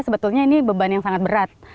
sebetulnya ini beban yang sangat berat